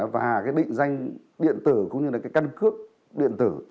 và định danh điện tử cũng như là căng cấp điện tử